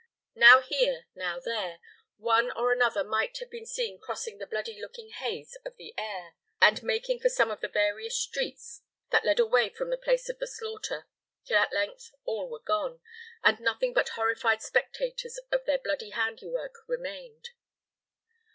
Now here, now there, one or another might have been seen crossing the bloody looking haze of the air, and making for some of the various streets that led away from the place of the slaughter, till at length all were gone, and nothing but horrified spectators of their bloody handiwork remained.